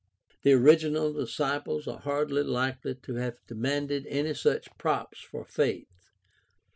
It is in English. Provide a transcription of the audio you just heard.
The original disciples are hardly likely to have demanded any such props for faith.